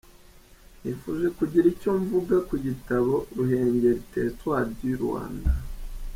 Nifuje kugira icyo mvuga ku gitabo “Ruhengeli, territoire du Rwanda.